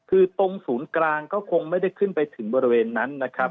คือตรงศูนย์กลางก็คงไม่ได้ขึ้นไปถึงบริเวณนั้นนะครับ